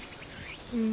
うん。